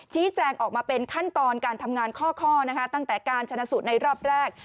ชี้แจงออกมาเป็นขั้นตอนการทำงานข้อนะคะตั้งแต่การชนะสูตรในรอบแรก